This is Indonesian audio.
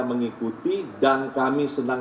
mengikuti dan kami senang